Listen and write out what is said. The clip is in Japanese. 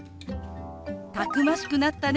「たくましくなったね」